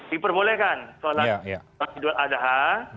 diperbolehkan sholat idul adha